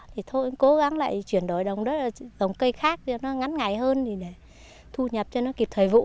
thì thôi cố gắng lại chuyển đổi đồng đất trồng cây khác cho nó ngắn ngày hơn thì để thu nhập cho nó kịp thời vụ